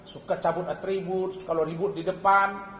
suka cabut atribut suka loribut di depan